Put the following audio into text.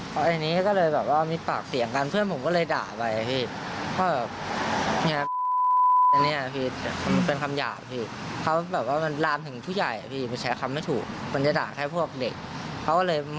ผมก็เลยขอโทษแทนมาไปแล้วค่ะ